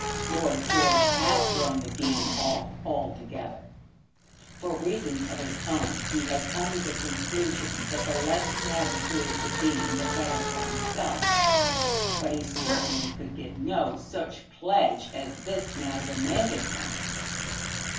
Lord George had thrown the Dean off altogether. For reasons of his own he had come to the conclusion that the less he had to do with the Dean the better for himself; but he certainly could give no such pledge as this now demanded from him.